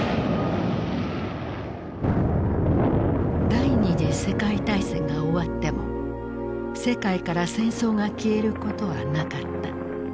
第二次世界大戦が終わっても世界から戦争が消えることはなかった。